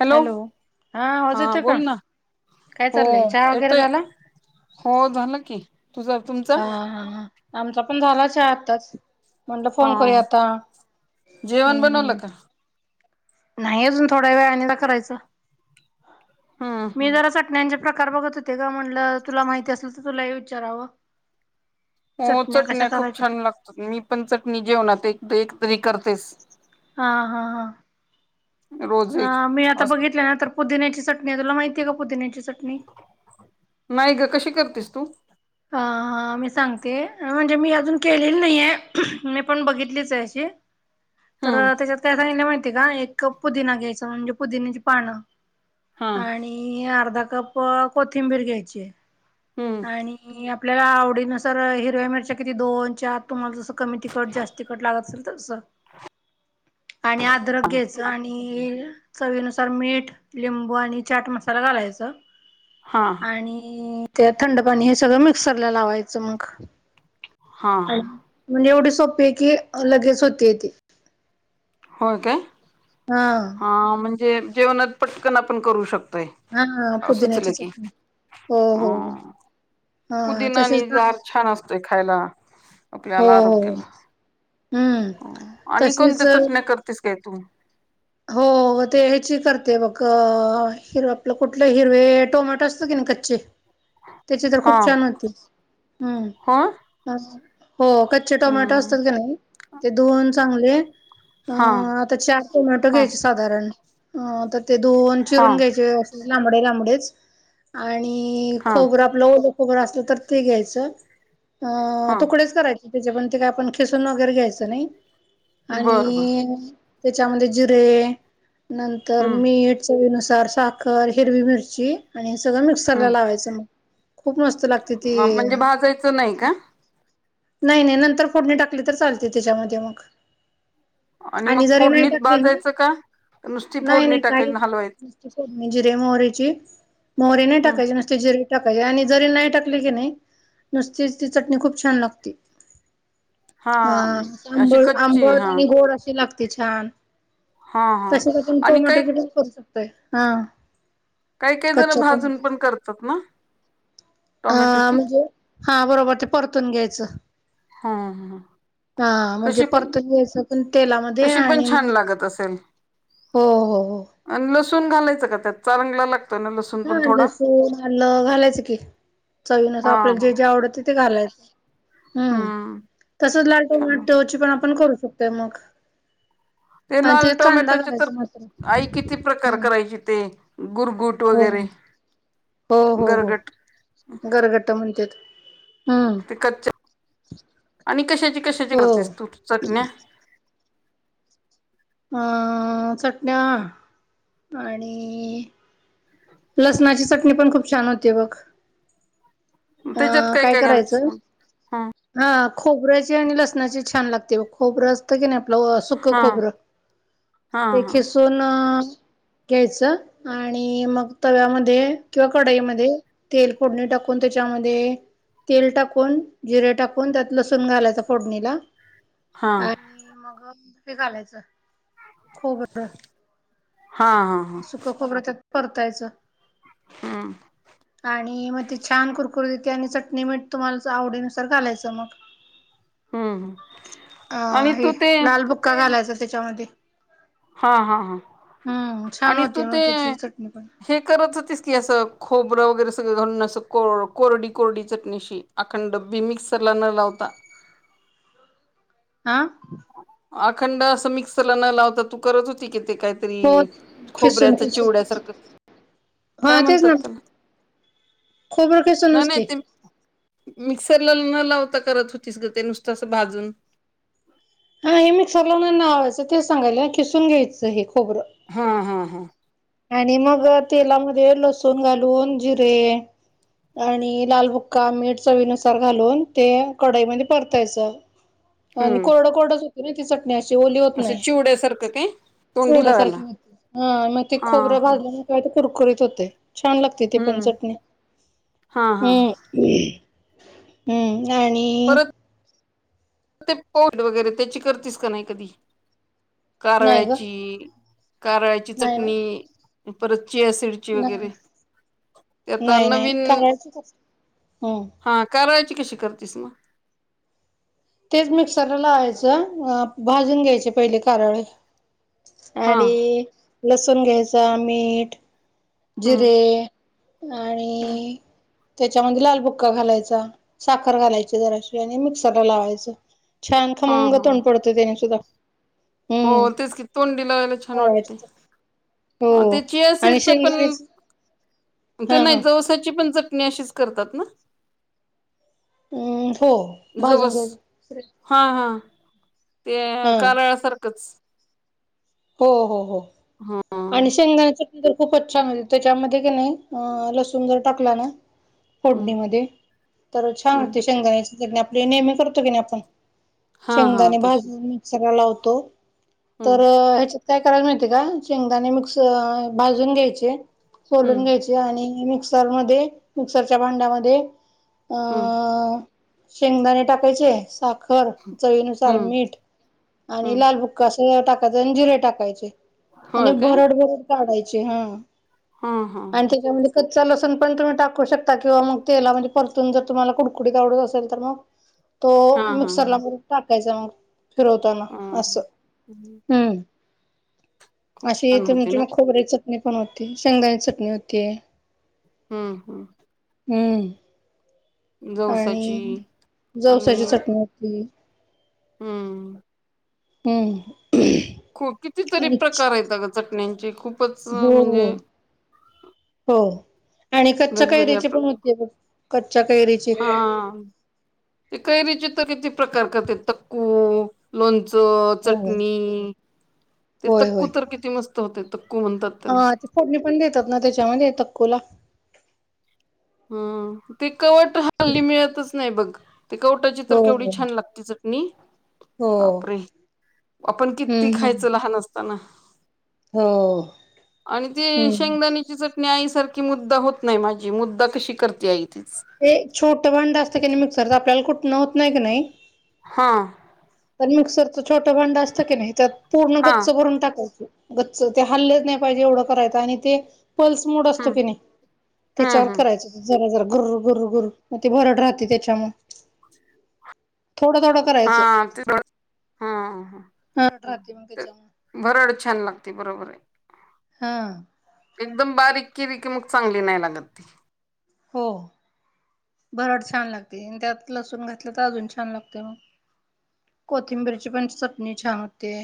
Hello आवाज हा येतोय का बोल ना काय हो चाललंय चहा वगैरे येतोय झाला हो झालं की, तुझ तुमचं हा हा हा आमचा पण चहा झाला चहा आताच म्हंणलं हा फोन करूया आता जेवण हूं बनवलं हूं का नाही अजून थोड्या वेळा आता करायच हम्म मी हम्म जरा च ण्यानेचे प्रकार बघत होते ग म्हणलं तुला माहिती, असल तर तुला हे विचारावं हो कशा चटण्या खूप करायच्या छान लागतात मी पण चटणी जेवणात एकत एकतरी करतेच. हा हा हा रोज हा एक मी आता अस बघितले ना तर पुदिन्याची चटणी हाय तुला माहितीय का पुदिन्याची चटणी? नाही ग कशी करतेस तू? हा हा ह मी सांगते म्हणजे मी अजून केलेली नाहीये मी पण बघितलीच हाय अशी तर हम्म त्याच्यात काय सांगलं माहितीय का एक कप पुदिना घ्यायचा म्हणजे पुदिन्याची पानं हा आणि अर्धा कप कोथिंबीर घ्यायचीये हम्म आणि आपल्याला आवडीनुसार हिरव्या मिरच्या किती दोन चार तुम्हाला जसं कमी तिकट जास्त लागत असल तस आणि आदरक घेयच आणि चवीनुसार मीठ, लिंबू आणि चाट मसाला घालायच. हा आणि त्या थंड पाणी हे सगळं मिक्सरला लावायचं मग हा अनं हा म्हणजे एवढी सोपी ये की लगेच होते ती होय काय? हा हा म्हणजे जेवणात पटकन आपण करू शकतोय. हा अ सुुचलं पुदिन्याची की चटणी हो आ हो हो हा पुदिना तसेच आणि ना गार छान असतोय खायला हो आपल्याला हो आरोग्याला हम्म हं आणि तशीच कोणत्या चटण्या करतेस काय तू? हो ते ह्याची करते बघ आ हिरव आपलं कुठलं हिरवे टोमॅटो असतो की नाय कच्चे त्याचे तर हा खूप छान होती हम्म हो हो कच कच्चे टोमॅटो हम्म असतात का नाय ते धुवून चांगले हा आता चार टोमॅटो हा घ्याय साधारण आ त ते धुवून हा चिरून घ्यायचे व्यवस्थित लांबडे लांबडेच आणि हा खोबरं आपलं ओलं खोबरं असलं तर ते घ्यायचं. अ हा तुकडेच करायचे त्याचे पण ते काय आपण खिसून वगैरे घ्यायचं नाही. बर बर आणि त्याच्यामध्ये जिरे नंतर हम्म मीठ चवीनुसार, साखर, हिरवी मिरची आणि हे सगळं मिक्सरला हम्म लावायचं म खूप मस्त लागते ती म्हणजे भाजायचं नाही का? नाय नाय नंतर फोडणी टाकली तर चालते त्याच्यामध्ये मग आणि मग फोडणीत हे ना भाजायचं का? नुसती नाय फोडणी नाय टाकायची काहीच नाय हलवायची नुसती फोडणी जिरे मोहरेची मोहरी नाय हम्म टाकायची नुसती जिरे टाकायचे आणि जरी नाय टाकली की नाय नुसतीच ती चटणी खूप छान लागती. हा, अशी आबळ कच्ची आंबट हा आणि गोड अशी लागते छान. हा हा तशच आपण आणि काही टोमटोच पण करू शकतोय. हा. काय, काय जण कच्च्या भाजून टोमॅटोचे पण करतात ना? अ.. टोमॅटोची म्हणजे हा बरोबर ते परतून घ्यायचं. हं, हं. हा, म्हणजे परतून घ्यायचं पण तेलामध्ये तशी पण आणि छान मग- लागत असेल हो, हो, हो. आणि लसूण घालायचं का त्यात, चांगला लाग- ह, लसुन आलं घालायचं की, चवीन हा आपल्याला हा जे, जे आवडत ते- ते घालायच. हम्म, तसच लाल छान टोमाटो ची पण आपण करू शकतोय मग. ते आणि लाल त्याच्यात कांदा टोमॅटोचे तर घालायचा मात्र आई किती प्रकार हम्म करायची ते. गुरगुट हो वगैरे. हो, हो, हो, गरगट गरगट म्हणत्यात. हम्म. कच्चे आणि कशाची, कशाची हो करतेस तू चटण्या? अ चटण्या आणि- लसणाची चटणी पण खूप छान होतीय बघ. त्याच्यात आ काय घालतेस करायचं- मग हा हा, खोबऱ्याचे आणि लसणाचे छान लागते बघ, खोबरं अस- तय कि नाही, आपलं सुख हा खोबर. हा हा त्याची- धून घ्यायचं आणि मग- तव्यामध्ये किंवा कढाईमध्ये तेल फोडणी टाकून त्याच्यामध्ये- तेल टाकून, जिरे टाकून, त्यात लसूण घालायच फोडणीला. हा आणि मग हे घालायचं खोबरं. हा. हा सुख खोबरं त्यात परतायचं. [unintelligible] आणि मग ते छान कुरकुरी हुत्या आणि चटणी, मीठ तुम्हाला जो आवडीनुसार घालायचं मग. हम्म अ.. आणि हे तू ते लाल बुक्का घालायचा त्याच्यामध्ये. हा, हा, हम्म हा छान आणि तू होते मग ते? त्याची चटणी पण हे करत होतीस की, असं खोबरं वगैरे सगळं घालून असं को कोरडी, कोरडी चटणीशी. अखंड डब्बी मिक्सरला न लावता. आ? अखंड असं मिक्सरला न लावता तू करत होती कि, ते काय- तरी खिसून खोबऱ्याच खिसून चिवड्यासारखं काय हा तेच म्हणतात ना त्याला? खोबरं नाही किसूनच नाही की. ते मिक्सरला न लावता करत होतीस ग, ते नुसतं असं भाजून. हा, हे मिक्सरला नाही लावायचं ते सांगायला खिसून घ्यायचं हे खोबर हा, हा, हा. आणि मग तेलामध्ये लसूण घालून जिरे- आणि लालबुक्का, मीठ चवीनुसार घालून ते कढाईमध्ये परतायचं. आणि हम्म कोरडं, कोरडच [unintelligible] तिच. मी अशी ओली होत असं नाही, चिवड्यासारखं काय तोंडी थोडं फार लावायला अ. - ते हा खोबऱ्या हा भाजल्यामुळे काय ते कुरकुरीत होतेय. छान लागते ते पण हम्म चटणी. हा हा हम्म. हम्म आणि परत ते पोड वगैरे त्याची करतीस का नाही कधी, नाही ग कारळ्याची? कारळ्याची नाही नाही चटणी, परत चियासीड ची वगैरे, नाही ते आता नाही नाही नवीन करायचीच हम्म हा कारळ्याची कशी करतीस म? तेच मिक्सरला लावायचं, अ भाजून घ्यायचे पहिले कारळे. हा आणि लसूण घ्यायचा, मीठ. हम्म जिरे हम्म आणि त्याच्यामदि लालबुक्का घालायचा, साखर घालायची जराशी आणि मिक्सरला लावायचं. छान हा खमंग हा तोंड पडतो, त्याने सुद्धा. हो हम्म तेच की, तोंडी लावायला छान वाटते, करायचं हो ते चिया आणि सीडच पण शेंगदाण्याच ते हा नाही, हा जवसाची पण चटणी अशीच करतात ना? हम्म हो, भाजून घ्याल. हां हां, ते कारळसारखंच. हो हो हो हा आणि हम्म शेंगदाची? ती तर खूपच छान होईल, त्याच्यामध्ये की नाही अ लसूण जर टाकला ना फोडणीमध्ये, तर छान हम्म होते शेंगदाण्याची चटणी, आपले नेहमी करतो की नाही आपण? हा हा शेंगदाणे तशी भाजून मिक्सरला लावतो, तर हम्म काय कराल माहितीका? शेंगदाणे मिक्स भाजून घ्यायचे, सोलून हम्म घ्यायचे ते आणि मिक्सर मध्ये, मिक्सरच्या भांड्यामध्ये हम्म अ शेंगदाणे टाकायचे, साखर, चवीनुसार हम्म मीठ आणि हम्म लालबुक्क कस टाकायचं आणि जिरे टाकायचे आणि होय काय भरड-भरड काढायचे, हं. हा हा अन त्याच्यामदि कच्च, लसुण पण तुम्ही टाकू शकता किंवा मग तेलामदि परतून, जर तुम्हाला कुडकुडीत आवडत असेल, तर मग [inaudible] तो हा हा हा मिक्सरला हा म टाकायचा मग, फिरवताना असं, हम्म हम्. खूप अशी छान त, होते म्हणजे ना म खोबऱ्याची चटणी बनवते, शेंगदाणन्या चटणी होती. हम्. हम्म. जवसाची आणि आणि जवसाची चटणी होती. हम्म. हम. खूप कितीतरी प्रकार येता ग, चटनींचे खूपच हो हो म्हणजे हो आणि कच्च्या वेगवेगळ्या कैरीची पण होते बघ कच्च्या कैरी हां, ते कैरीचे त किती प्रकार करते, तकू लोणचं, हो चटणी ते होय तक्कू तर किती मस्त होतय, तक्कू म्हणतात. त्याला हां ते फोडणी पण देतात ना, त्याच्यामध्ये तक्कूला? हम्म, ते कवट हल्ली मिळतच नाही बघ, ते कवटाची तर हो केवढी हो छान लागते चट नी, हो बापरे आपण किती हम्म हम्म खायचो, लहान असताना. हो आणि ते हम्म शेंगदाणीची चट नी, आईसारखी मुद्दा होत नाही माझी, मुद्दा कशी करते आई तेच. ते छोटं भांडं असतं की नाही मिक्सरच, आपल्याला कुटन होत नाही की नाही? हां. तर मिक्सरच छोटं भांडं असतं की नाही, त्यात पूर्ण हा गच्च भरून टाकायचं. गच्च, ते हल्लच नही पाहिजे, एवढं करायचं आणि ते पल्स मोड असतो हम्म की नाही हम्म त्याच्यावर हम्म करायच. जरा जरा गुर गुर गुर मग ते भरट राहते त्याच्यामुळं थोडं थोडं आ करायचं ते बघ हा ह! भरड राहती म त्याच्यामुळं. भरड छान लागते बरोबर आहे. हां! एकदम बारीक केली की मग चांगली नाही लागत ती. हो भरड छान लागते आणि त्यात लसूण घातलं तर अजून छान लागते मग कोथिंबीरीची पण चटणी छान होते.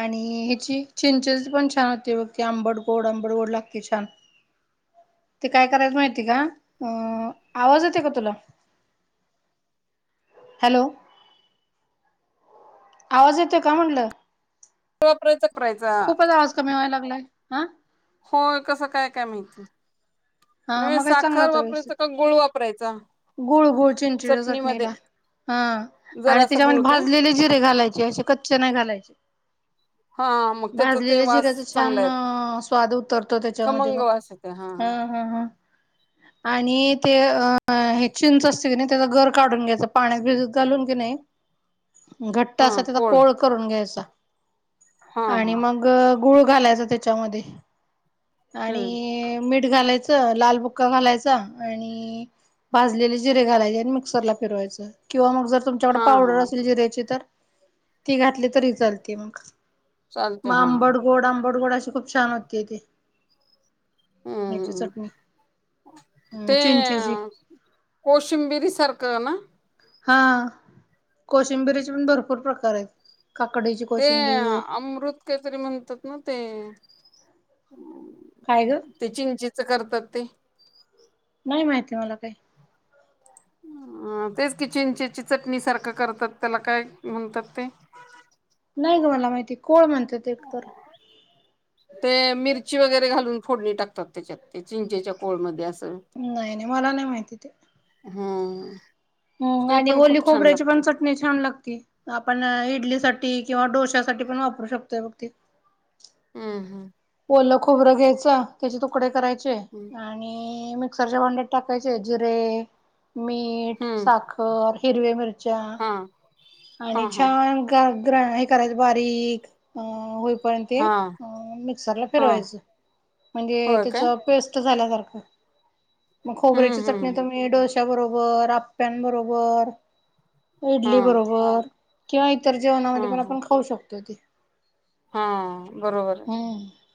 आणि ह्याची चिंचेची पण छान होते बघते आंबट गोड आंबट गोड लागते छान ते काय करायच माहिती, का अ आवाज येतो का तुला? हॅलो! आवाज येतोय का म्हटलं? वापरायचं करायचा. खूपच आवाज कमी व्हाय लागलाय हा. होय कसं काय काय माहिती. हा नव्हे मगाशी चांगलं साखर होता व्यवस्थित वापरायचा का गुळ वापरायचा गुळ गुळ चिंचेच्या चटणीमध्ये चटणीला. हा आणि जरासा गुळ त्याच्यामध्ये काय भाजलेले जिरे घालायचे असे कच्चे नाही घालायचे. हा मग त्याचा ते भाजलेल्या वास जिऱ्याचा चांगला आहेत छान स्वाद उतरतो त्याच्यामध्ये खमंग मग वास येते हा हं हं हा! आणि ते अ हे चिंच असते की न्हाय त्याचा गरकाढून घ्यायचं पाण्यात भिजत घालून की नाही. घट्ट असा त्याचा कोळ करून घ्यायचा हा आणि हा मग ग गुळ घालायचा त्याच्यामध्ये हम्म आणि मीठ घालायच लाल बुक्का घालायचा आणि भाजलेले जिरे घालायचे आणि मिक्सर ला फिरवायच किंवा मग जर तुमच्याकड हा हा पावडर असेल जिऱ्याची तर ती घातली तरी चालते मग चालते म हा आंबट गोड आंबट गोड अशी खूप छान होते त्याची हम्म चट ते कोशिंबिरी सारखं ना? हा कोशिंबिरीचे पण भरपूर प्रकार आहेत. काकडीचे ते अमृत काहीतरी म्हणतात ना ते काय हम्म. ग ते चिंचच करतात ते नाही माहिती मला काही. तेच की चिंचेची चटणी सारखं करतात त्याला काय म्हणतात ते नाही ग मला माहिती कोण म्हणत ते एक तर. ते मिरची वगैरे घालून फोडणी टाकतात त्याच्यात ते चिंचेच्या कोळमध्येध्ये असं. नाही नाही मला नाही माहिती ते. हा ह आणि ओली खोबऱ्याची पण च टणी छान लागती आपण इडली साठी किंवा डोश्यासाठीठ पण वापरू शकतोय बघ ती. हम्म हम्म! ओलं खोबरं घ्यायचं त्याचे तुकडे करायचे हम्म! आणि मिक्सरच्या भांड्यात टाकायचे जिरे मीठ हम्म साखर हिरव्या मिरच्या हा हा आणि हा छान गागरा हे करायचं बारीक अ होईपर्यंत ते हा मिक्सरला हा फिरवायचं म्हणजे होय त्याच काय? पेस्ट झाल्यासारखं मग हम्म खोबऱ्याची चटणी तर हम्म मी डोश्याबरोबर आप्प्यानंबरोबर हा इडली बरोबर किंवा इतर हा जेवणामध्ये पण हा आपण खाऊ शकतोय ती हा बरोबर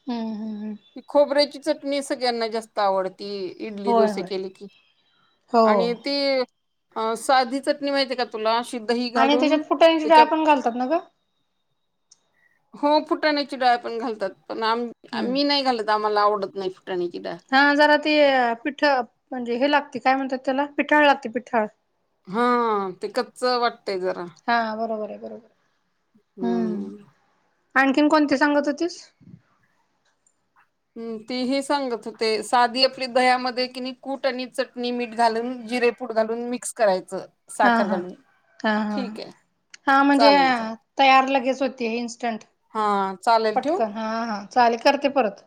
हम हम हम ती खोबऱ्याची चटणी सगळ्यांना जास्त आवडती इडली होय डोसे होय. केले की हो आणि ती अ, साधी चटणी माहितीये का तुला, अशी दही आणि त्याच्यात घालून, फुटाण्याची त्येच्या डाळ पण घालतात ना गं? हो फुटाण्याची डाळ पण घालतात, पण आम, हम्म. मी नाही घालत, आम्हाला आवडत नाही फुटाण्याची डाळ. हा, जरा ते पिठ म्हणजे हे लागते काय म्हणतात त्याला, पिठाळ लागते पिठाळ. हा, ते कच्चं वाटतय जरा. हा, बरोबर हाय बरोबर हाय, हम्म आणखीन कोणती सांगत होतीस? ह् ती ही सांगत होते, साधी आपली दह्यामध्ये किनी कूट आणि चटणी मीठ घालून जिरे कूट घालून मिक्स करायचं. हा साखर हा, घालून हा हा. ठीक आहे हा म्हणजे, चालेल चालेल तयार लगेच होती इन्स्टंट हा चालेल ठेवू. पटकन. हा, हा, चालेल करते परत.